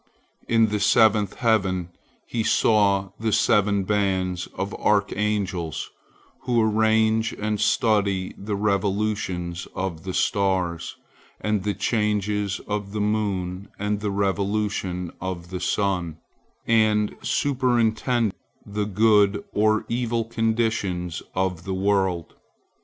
In the seventh heaven he saw the seven bands of archangels who arrange and study the revolutions of the stars and the changes of the moon and the revolution of the sun, and superintend the good or evil conditions of the world.